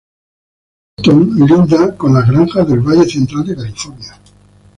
Stockton linda con granjas del Valle Central de California.